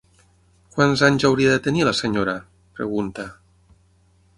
Quants anys hauria de tenir la senyora? —pregunta.